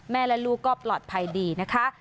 และลูกก็ปลอดภัยดีนะคะ